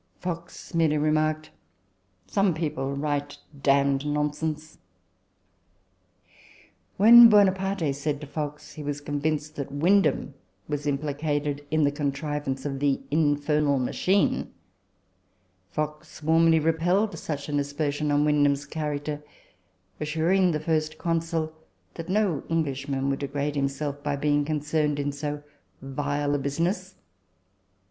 Fox merely remarked, " Some people write damned nonsense." When Buonaparte said to Fox, he was convinced that Windham was implicated in the contrivance of the infernal machine, Fox warmly repelled such an aspersion on Windham's character, assuring the First Consul that no Englishman would degrade himself by being concerned in so vile a business.